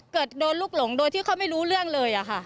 เกิดโดนลูกหลงโดยที่เขาไม่รู้เรื่องเลยค่ะ